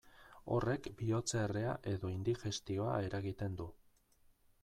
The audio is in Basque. Horrek bihotzerrea edo indigestioa eragiten du.